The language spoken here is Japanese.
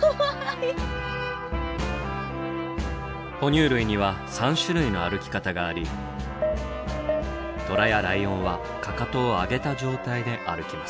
哺乳類には３種類の歩き方がありトラやライオンはかかとを上げた状態で歩きます。